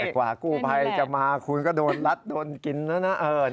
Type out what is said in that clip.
กว่ากู้ภัยจะมาคุณก็โดนรัดโดนกินแล้วนะ